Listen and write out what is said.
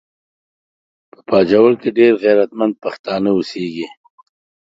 په باجوړ کې ډیر غیرتمند پښتانه اوسیږي